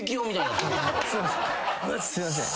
すいません。